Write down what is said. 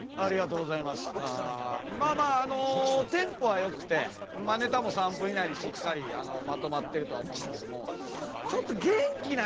うんまあまああのテンポはよくてネタも３分以内にしっかりまとまってるとは思うねんけどもちょっと元気ないかな。